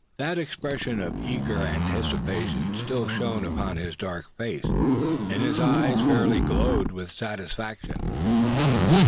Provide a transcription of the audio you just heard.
That expression of eager anticipation still shone upon his dark face, and his eyes fairly glowed with satisfaction.